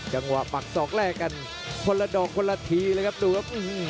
จังหวะปักศอกแรกกันคนละดอกคนละทีเลยครับดูครับ